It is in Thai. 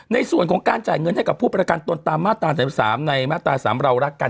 ในส่วนของการจ่ายเงินให้กับผู้ประกันตนตามมาตรา๓๓ในมาตรา๓เรารักกัน